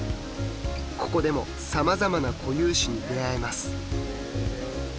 ここでもさまざまな固有種に出会えます。